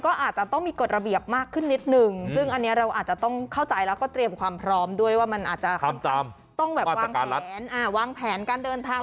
ก็อาจจะต้องมีกฎระเบียบมากขึ้นนิดนึงซึ่งอันนี้เราอาจจะต้องเข้าใจแล้วก็เตรียมความพร้อมด้วยว่ามันอาจจะต้องแบบวางแผนวางแผนการเดินทาง